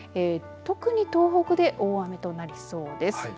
特に東北で大雨となりそうです。